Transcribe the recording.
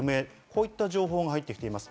こういった情報が入ってきています。